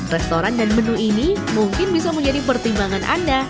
restoran dan menu ini mungkin bisa menjadi pertimbangan anda